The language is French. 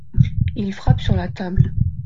Il frappe sur la table.